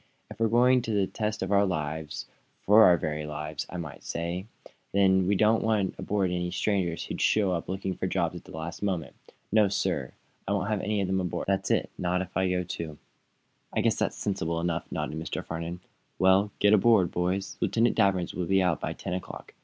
"If we're going into the test of our lives for our very lives, I might say then we don't want aboard any strangers who show up looking for jobs at the last moment. No, sir; I won't have them aboard that is, not if I go, too!" "I guess that's sensible enough," nodded Mr. Farnum. "Well, get aboard, boys. Lieutenant Danvers will be out by ten o'clock.